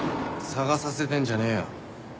捜させてんじゃねえよ。